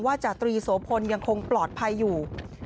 จาตรีโสพลยังคงปลอดภัยอยู่